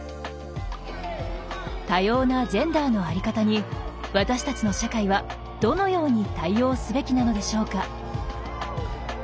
多様なジェンダーの在り方に私たちの社会はどのように対応すべきなのでしょうか。